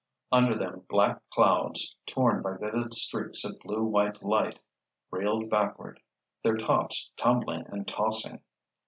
Under them black clouds, torn by vivid streaks of blue white light, reeled backward, their tops tumbling and tossing.